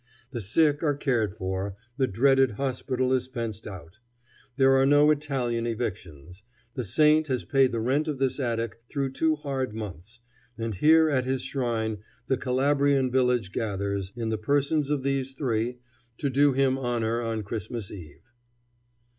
The sick are cared for; the dreaded hospital is fenced out. There are no Italian evictions. The saint has paid the rent of this attic through two hard months; and here at his shrine the Calabrian village gathers, in the persons of these three, to do him honor on Christmas eve.